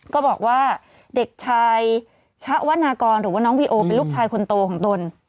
ก็บอกว่าเด็กชายชะวนากรหรือว่าน้องวีโอเป็นลูกชายคนโตของตน